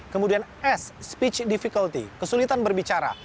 kemudian s speech diviculty kesulitan berbicara